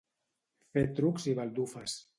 Fer trucs i baldufes.